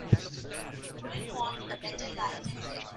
Couldn't want a better life and death.